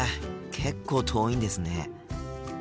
結構遠いんですね。